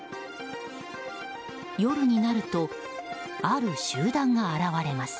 夜になるとある集団が現れます。